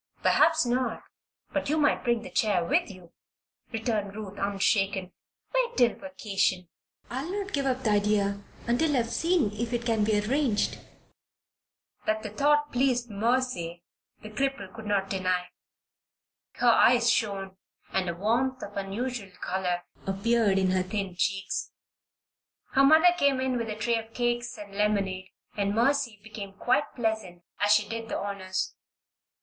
"Perhaps not; but you might bring the chair with you," returned Ruth, unshaken. "Wait till vacation. I'll not give up the idea until I've seen if it can't be arranged." That the thought pleased Mercy, the cripple could not deny. Her eyes shone and a warmth of unusual color appeared in her thin cheeks. Her mother came in with a tray of cakes and lemonade, and Mercy became quite pleasant as she did the honors.